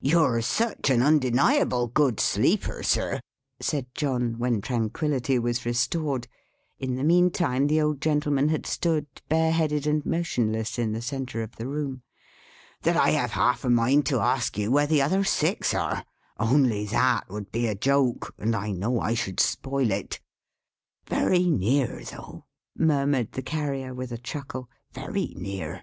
"You're such an undeniable good sleeper, Sir," said John when tranquillity was restored; in the mean time the old gentleman had stood, bare headed and motionless, in the centre of the room; "that I have half a mind to ask you where the other six are: only that would be a joke, and I know I should spoil it. Very near though," murmured the Carrier, with a chuckle; "very near!"